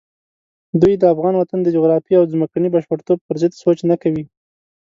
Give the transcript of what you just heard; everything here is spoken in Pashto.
دوی د افغان وطن د جغرافیې او ځمکني بشپړتوب پرضد سوچ نه کوي.